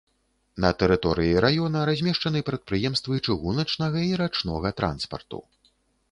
На тэрыторыі раёна размешчаны прадпрыемствы чыгуначнага і рачнога транспарту.